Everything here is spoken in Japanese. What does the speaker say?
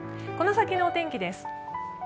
この先のお天気です。